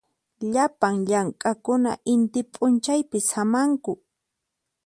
Llapan llamk'aqkuna inti p'unchaypi samanku.